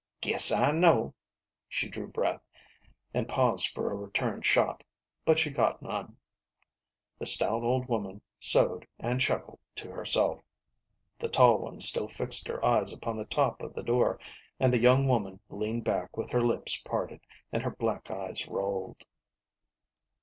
Guess I know." She drew breath, and paused for a return shot, but she got none. The stout old woman sewed and chuckled to herself, the tall one still fixed her eyes upon the top of the door, and the young woman leaned back with her lips parted, and her black eyes rolled.